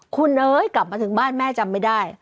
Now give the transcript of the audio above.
คุณเอ๋ยกลับมาถึงบ้านแม่จำไม่ได้